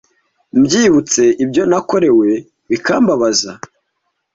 mbyibutse ibyo nakorewe bikambabaza